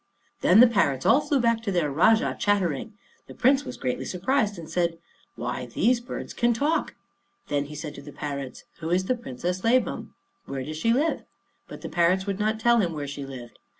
Then the parrots all flew back to their Rajah, chattering. The Prince was greatly surprised, and said, "Why, these birds can talk!" Then he said to the parrots, "Who is the Princess Labam? Where does she live?" But the parrots would not tell him where she lived.